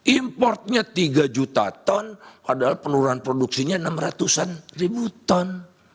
importnya tiga juta ton padahal penurunan produksinya enam ratus an ribu ton